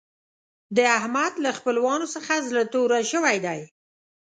د احمد له خپلوانو څخه زړه تور شوی دی.